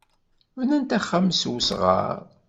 Bnant axxam s wesɣar.